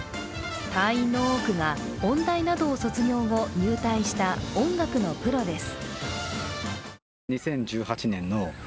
隊員の多くが音大などを卒業後入隊した音楽のプロです。